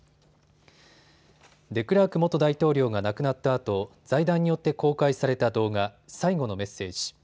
デクラーク元大統領が亡くなったあと、財団によって公開された動画、最後のメッセージ。